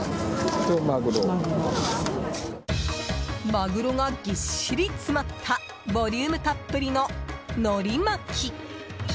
マグロがぎっしり詰まったボリュームたっぷりの、のり巻き。